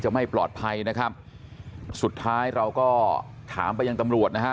ไม่ปลอดภัยนะครับสุดท้ายเราก็ถามไปยังตำรวจนะฮะ